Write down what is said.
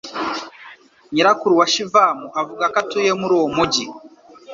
Nyirakuru wa Shivam avuga ko atuye muri uwo mujyi